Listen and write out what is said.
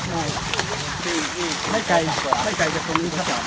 ไม่ไกลไม่ไกลกับตรงนี้ครับ